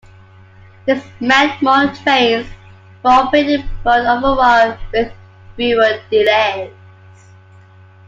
This meant more trains were operated but overall with fewer delays.